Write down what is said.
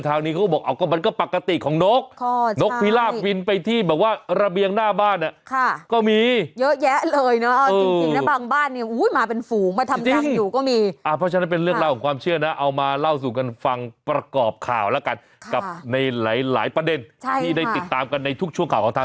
สิบสองสิบสามหรือเดี๋ยวสิบสี่มีชาปัณะกิจ